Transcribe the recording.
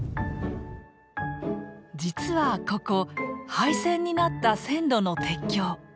実はここ廃線になった線路の鉄橋。